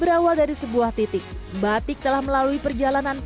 berawal dari sebuah titik batik telah melalui perjalanan panjang